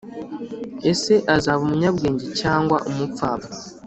Ese azaba umunyabwenge cyangwa umupfapfa